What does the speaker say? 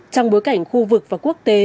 trong bối cảnh khu vực và quốc tế